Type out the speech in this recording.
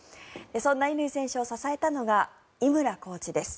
そんな乾選手を支えたのが井村コーチです。